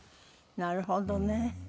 なるほどね。